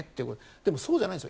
でも、そうじゃないんです。